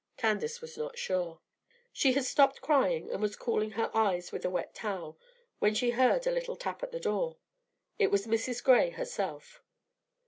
Candace was not sure. She had stopped crying, and was cooling her eyes with a wet towel when she heard a little tap at the door. It was Mrs. Gray herself.